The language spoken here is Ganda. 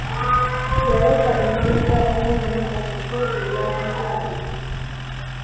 Yaleka emabega omwana omuto eyakazaalibwa.